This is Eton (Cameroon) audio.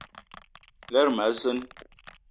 Lerma a zeen.